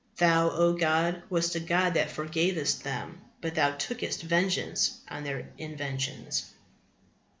Thou, O God, wast a God that forgavest them, but Thou tookest vengeance on their inventions.